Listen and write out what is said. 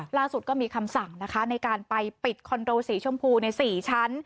ล่าสุดก็มีคำสั่งนะคะในการไปปิดคอนโดสีชมพูใน๔ชั้น